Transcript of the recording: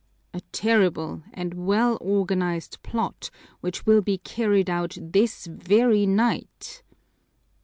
"A terrible and well organized plot, which will be carried out this very night."